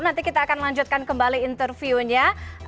nanti kita akan lanjutkan kembali interviewnya